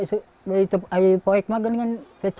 saya ingin menjaga kemampuan saya